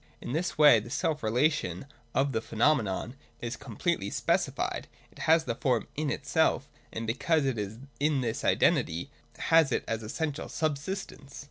In this way the self relation of the phenomenon is completely speci fied, it has the Form in itself: and because it is in this identity, has it as essential subsistence.